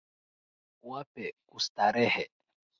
Wape kustarehe.